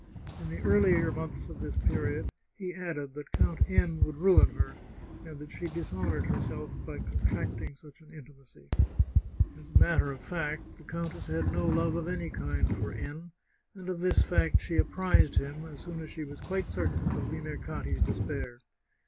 In the earlier months of this period he added that Count N would ruin her, and that she dishonoured herself by con tracting such an intimacy. 21 The Chartreuse of Parma As a matter of fact, the countess had no love of any kind for N , and of this fact she apprised him as soon as she was quite certain of Limercati's despair.